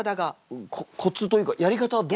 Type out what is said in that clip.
コツというかやり方はどんな。